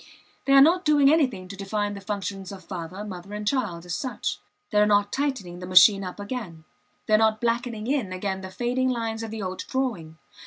They are not doing anything to define the functions of father, mother, and child, as such; they are not tightening the machine up again; they are not blackening in again the fading lines of the old drawing.